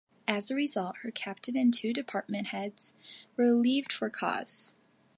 As a result, her captain and two department heads were relieved for cause.